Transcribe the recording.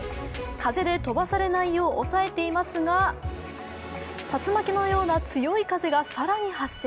風で飛ばされないよう押さえていますが竜巻のような強い風がさらに発生。